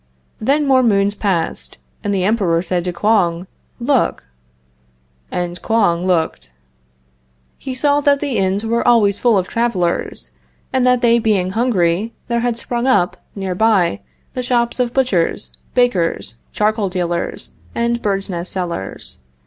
Then more moons passed, and the Emperor said to Kouang: "Look." And Kouang looked. He saw that the inns were always full of travelers, and that they being hungry, there had sprung up, near by, the shops of butchers, bakers, charcoal dealers, and bird's nest sellers.